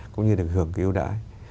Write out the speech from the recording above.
cũng như được hưởng cái ưu đãi